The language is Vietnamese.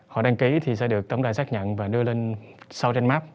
họ đăng ký thì sẽ được tổng đài xác nhận và đưa lên southern map